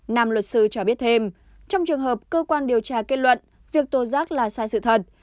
nam luật sư cho biết thêm trong trường hợp cơ quan điều tra kết luận việc tố giác là sai sự thật